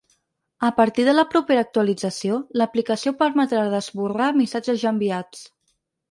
A partir de la propera actualització, l’aplicació permetrà d’esborrar missatges ja enviats.